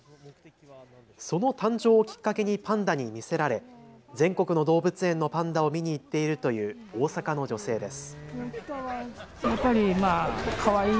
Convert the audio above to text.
その誕生をきっかけにパンダに見せられ全国の動物園のパンダを見に行っているという大阪の女性です。